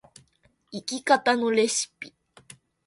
生き方のレシピ